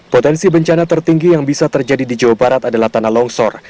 potensi bencana tertinggi yang bisa terjadi di jawa barat adalah tanah longsor